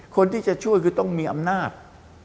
คนที่จะช่วยคือต้องมีอำนาจ